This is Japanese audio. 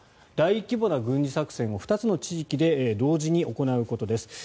大規模な軍事作戦を２つの地域で同時に行うことです。